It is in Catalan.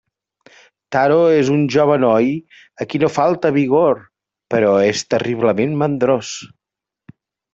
Taro és un jove noi a qui no falta vigor, però és terriblement mandrós.